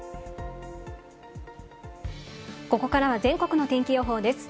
ここからは全国の天気予報です。